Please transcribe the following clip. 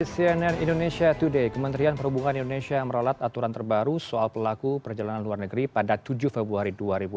cnn indonesia today kementerian perhubungan indonesia meralat aturan terbaru soal pelaku perjalanan luar negeri pada tujuh februari dua ribu dua puluh